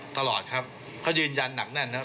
ตลอดครับเขายืนยันหนักแน่นนะครับ